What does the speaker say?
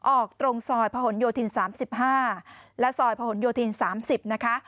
ออกตรงซอยพะหนโยธิน๓๕และซอยพะหนโยธิน๓๐นะคะ